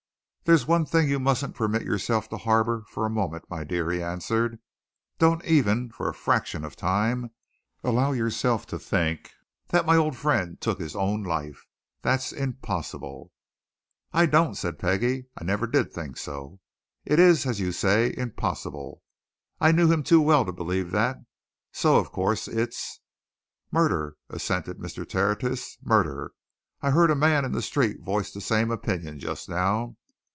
"There's one thought you mustn't permit yourself to harbour for a moment, my dear," he answered. "Don't even for a fraction of time allow yourself to think that my old friend took his own life! That's impossible." "I don't," said Peggie. "I never did think so. It is, as you say, impossible. I knew him too well to believe that. So, of course, it's " "Murder," assented Mr. Tertius. "Murder! I heard a man in the street voice the same opinion just now.